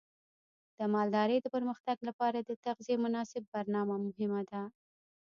د مالدارۍ د پرمختګ لپاره د تغذیې مناسب برنامه مهمه ده.